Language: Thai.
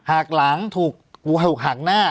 หักหลังถูกหักหน้า